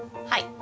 はい。